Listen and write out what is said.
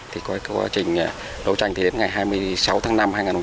thì qua quá trình đấu tranh thì đến ngày hai mươi sáu tháng năm hai nghìn hai mươi ba